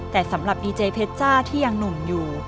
แต่สำหรับดีเจเพชจ้าที่ยังหนุ่มอยู่